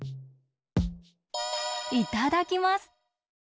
いただきます！